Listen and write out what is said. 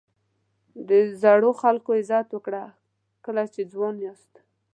د زړو خلکو عزت وکړه کله چې ځوان یاست.